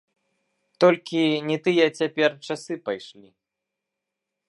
Толькі не тыя цяпер часы пайшлі.